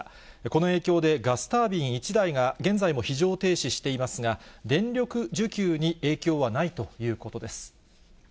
この影響でガスタービン１台が現在も非常停止していますが、電力需給に影響はないということです。